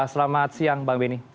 selamat siang bang benny